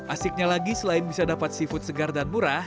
asiknya lagi selain bisa dapat seafood segar dan murah